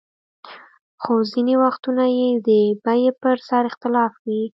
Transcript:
خو ځینې وختونه یې د بیې پر سر اختلاف وي.